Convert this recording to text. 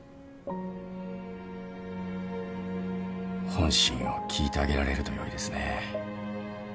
本心を聞いてあげられるとよいですね。